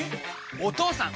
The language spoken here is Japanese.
お義父さん！